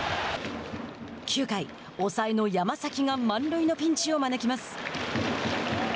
９回、抑えの山崎が満塁のピンチを招きます。